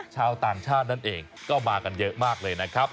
ชาวต่างชาตินั่นเองก็มากันเยอะมากเลยนะครับ